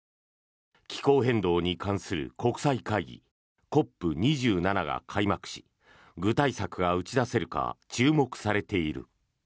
気候変動に関する国際会議ＣＯＰ２７が開幕し具体策が打ち出せるか注目されている。